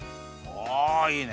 おいいね。